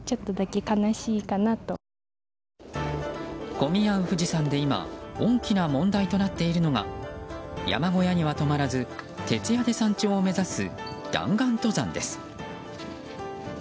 混み合う富士山で今、大きな問題となっているのが山小屋には泊まらず徹夜で山頂を目指す弾丸登山です。